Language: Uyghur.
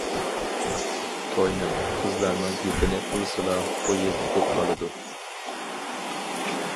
توينىڭ، قىزلارنىڭ گېپىنى قىلسىلا خۇيى تۇتۇپ قالىدۇ.